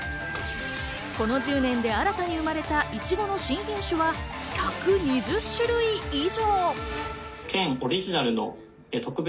この１０年で新たに生まれた、いちごの新品種は１２０種類以上。